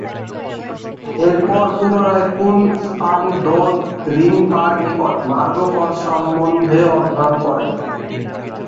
এরপর পুনরায় কুন-স্পাংস-র্দো-রিং-পার নিকট মার্গফল সম্বন্ধে অধ্যয়ন করেন।